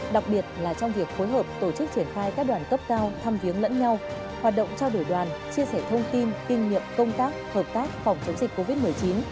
đặc biệt là trong việc phối hợp tổ chức triển khai các đoàn cấp cao thăm viếng lẫn nhau hoạt động trao đổi đoàn chia sẻ thông tin kinh nghiệm công tác hợp tác phòng chống dịch covid một mươi chín